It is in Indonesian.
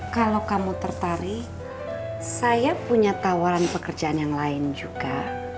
kalau kamu tertarik saya punya tawaran pekerjaan yang lain juga